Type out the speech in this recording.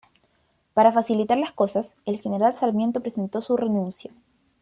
Para facilitar las cosas, el general Sarmiento presentó su renuncia.